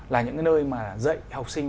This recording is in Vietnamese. là những nơi mà dạy học sinh